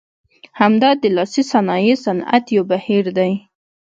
همدا د لاسي صنایع صنعت یو بهیر دی.